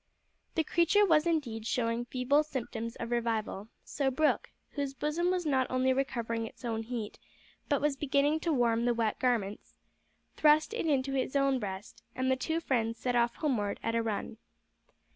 The creature was indeed showing feeble symptoms of revival, so Brooke whose bosom was not only recovering its own heat, but was beginning to warm the wet garments thrust it into his own breast, and the two friends set off homeward at a run.